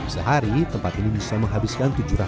sehari tempat ini bisa menghabiskan tujuh ratus porsi soto bertawi